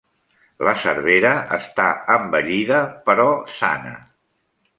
La servera està envellida però sana.